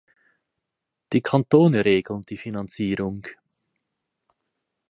Die Kantone regeln die Finanzierung.